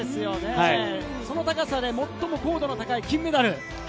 その高さで最も高い金メダル。